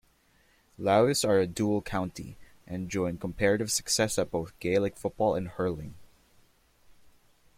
Laois are a dual county, enjoying comparative success at both Gaelic football and hurling.